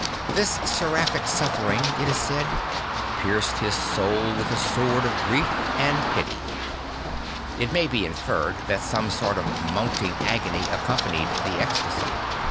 This seraphic suffering, it is said, pierced his soul with a sword of grief and pity; it may be inferred that some sort of mounting agony accompanied the ecstasy.